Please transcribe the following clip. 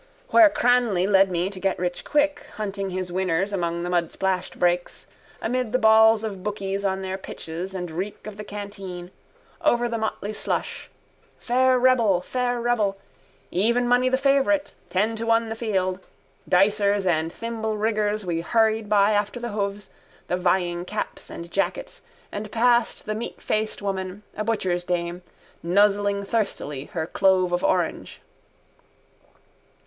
_ Where Cranly led me to get rich quick, hunting his winners among the mudsplashed brakes, amid the bawls of bookies on their pitches and reek of the canteen, over the motley slush. Even money Fair Rebel. Ten to one the field. Dicers and thimbleriggers we hurried by after the hoofs, the vying caps and jackets and past the meatfaced woman, a butcher's dame, nuzzling thirstily her clove of orange.